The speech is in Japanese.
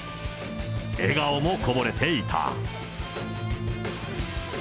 笑顔もこぼれていた。